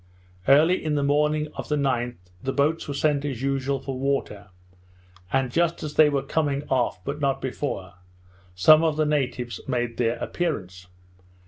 Early in the morning of the 9th, the boats were sent as usual for water; and just as they were coming off, but not before, some of the natives made their appearance.